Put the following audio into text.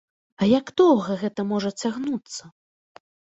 А як доўга гэта можа цягнуцца?